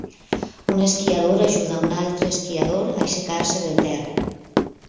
Un esquiador ajuda un altre esquiador a aixecar-se del terra.